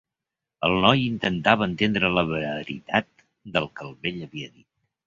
El noi intentava entendre la veritat del que el vell havia dit.